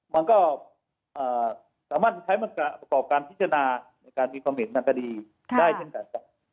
มันก็สามารถใช้มันการประกอบการพิจารณาในการมีความเห็นมันก็ดีได้เช่นกัน